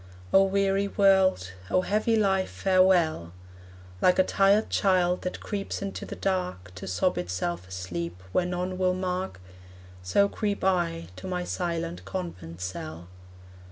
O weary world, O heavy life, farewell! Like a tired child that creeps into the dark To sob itself asleep, where none will mark, So creep I to my silent convent cell.